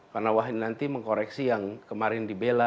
karena wahai nanti mengkoreksi yang kemarin dibela